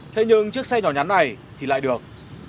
thế nhưng chiếc xe nhỏ nhắn này thì lại được